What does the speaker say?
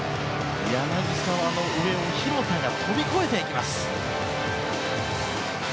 柳澤の上を廣田が飛び越えていきます。